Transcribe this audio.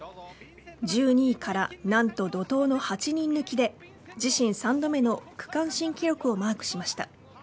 １２位からなんと怒涛の８人抜きで自身３度目の区間新記録をマークしました。